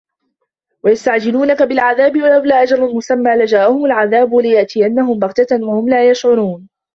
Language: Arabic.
وَيَستَعجِلونَكَ بِالعَذابِ وَلَولا أَجَلٌ مُسَمًّى لَجاءَهُمُ العَذابُ وَلَيَأتِيَنَّهُم بَغتَةً وَهُم لا يَشعُرونَ